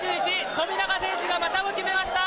富永選手がまたも決めました。